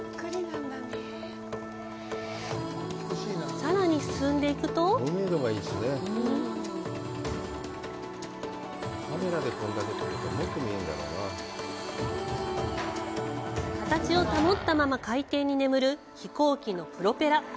さらに進んでいくと形を保ったまま海底に眠る飛行機のプロペラ。